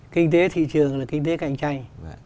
kinh tế thị trường là kinh tế cạnh tranh